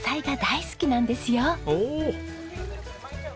おお。